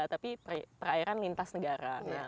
tapi perairan lintas negara